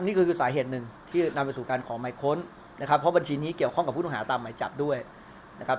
นี่คือสาเหตุหนึ่งที่นำไปสู่การขอหมายค้นนะครับเพราะบัญชีนี้เกี่ยวข้องกับผู้ต้องหาตามหมายจับด้วยนะครับ